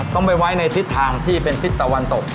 ต้องไปไว้ในทิศทางที่เป็นทิศตะวันตก